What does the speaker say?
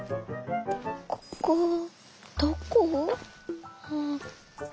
「ここどこ？」。